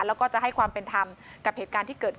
แล้วก็จะให้ความเป็นธรรมกับเหตุการณ์ที่เกิดขึ้น